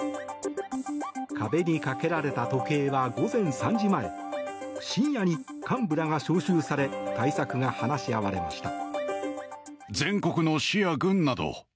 壁に掛けられた時計は午前３時前深夜に幹部らが招集され対策が話し合われました。